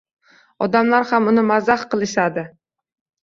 Odamlar ham uni mazax qilishdi.